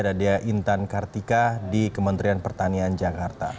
dadya intan kartika di kementerian pertanian jakarta